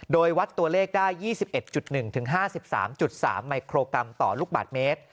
โดยวัดตัวเลขได้๒๑๑๕๓๓มิโครกรัมต่อลูกบาทเมตร